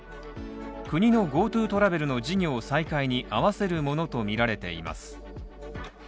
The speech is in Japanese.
国のＧｏＴｏトラベルの事業再開にあわせるものとみられています。